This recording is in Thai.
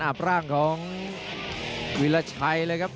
อ้าวทีมแม่กรรมการจุฏิเลยครับ